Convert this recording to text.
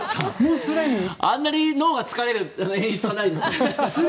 あんなに脳が疲れる演出はないです。